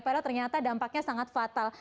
padahal ternyata dampaknya sangat fatal